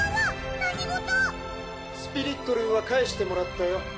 何事⁉「スピリットルーは返してもらったよ」